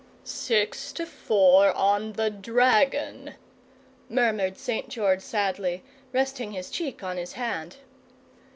"Six to four on the dragon!" murmured St. George sadly, resting his cheek on his hand.